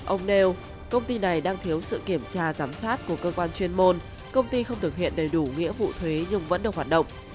ông nêu công ty này đang thiếu sự kiểm tra giám sát của cơ quan chuyên môn công ty không thực hiện đầy đủ nghĩa vụ thuế nhưng vẫn được hoạt động